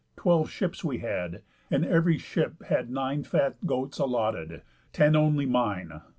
Twelve ships we had, and ev'ry ship had nine Fat goats allotted [it], ten only mine.